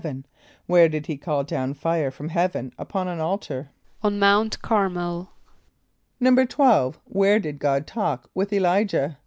= Where did he call down fire from heaven upon an altar? =On Mount Cär´mel.= =12.= Where did God talk with [+E] l[=i]´jah?